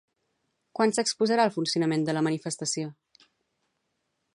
Quan s'exposarà el funcionament de la manifestació?